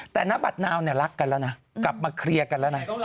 แต่นบัตรนาวเนี่ยรักกันแล้วนะกลับมาเคลียร์กันแล้วนะ